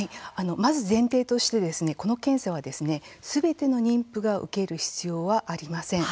まず前提としてこの検査はすべての妊婦が受ける必要はありません。